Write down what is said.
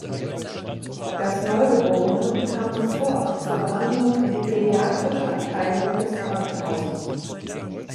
Das Neugeborene kam sofort zur Behandlung in die pädiatrische Abteilung des Krankenhauses.